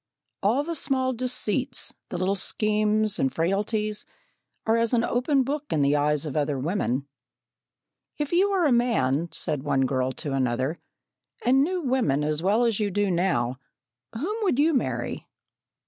All the small deceits, the little schemes and frailties, are as an open book in the eyes of other women. "If you were a man," said one girl to another, "and knew women as well as you do now, whom would you marry?"